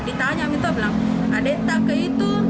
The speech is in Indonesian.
ditanya mie itu bilang adek tak ke itu